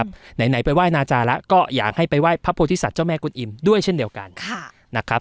หน่ายไปไหว้นาจาแล้วก็อยากให้ไปไหว้พระโพธิษศาสตร์เจ้าแม่กุด้วยเช่นเดียวกันค่ะนะครับ